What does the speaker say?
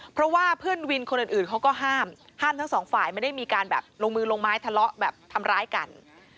เพราะว่าเพื่อนวินคนอื่นเขาก็ห้ามห้ามทั้งสองฝ่ายไม่ได้มีการแบบลงมือลงไม้ทะเลาะแบบทำร้ายกัน